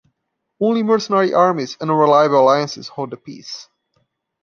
Only mercenary armies and unreliable alliances hold the peace.